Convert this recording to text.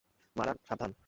মারান, সাবধান!